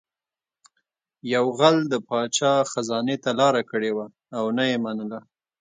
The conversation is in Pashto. یو غل د پاچا خزانې ته لاره کړې وه او نه یې منله